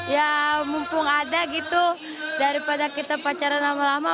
ya mumpung ada gitu daripada kita pacaran lama lama